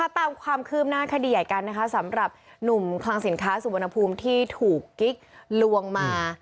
ตามความคืบหน้าคดีใหญ่กันนะคะสำหรับหนุ่มคลังสินค้าสุวรรณภูมิที่ถูกกิ๊กลวงมา